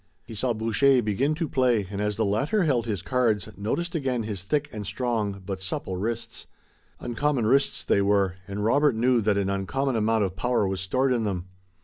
He saw Boucher begin to play and as the latter held his cards, noticed again his thick and strong, but supple wrists. Uncommon wrists they were, and Robert knew that an uncommon amount of power was stored in them.